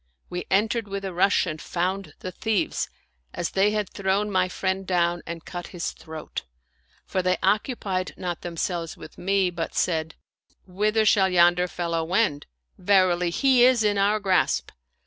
We entered with a rush and found the thieves, as they had thrown my friend down and cut his throat ; for they occupied not themselves with me, but said, " Whither shall yonder fellow wend ? Verily, he is in our grasp."